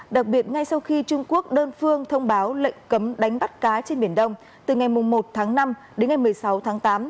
đặc biệt ngay sau khi trung quốc đơn phương thông báo lệnh cấm đánh bắt cá trên biển đông từ ngày một tháng năm đến ngày một mươi sáu tháng tám